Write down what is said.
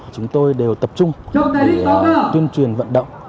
chúng tôi đều tập trung tuyên truyền vận động